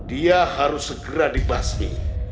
dia harus segera dibasmi